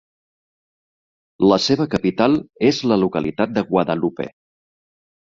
La seva capital és la localitat de Guadalupe.